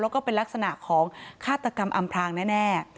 แล้วก็เป็นลักษณะของฆาตกรรมอำพลางแน่